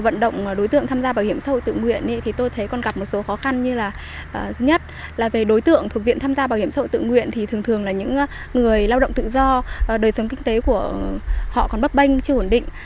nhất là về đối tượng thuộc diện tham gia bảo hiểm xã hội tự nguyện thì thường thường là những người lao động tự do đời sống kinh tế của họ còn bấp banh chưa ổn định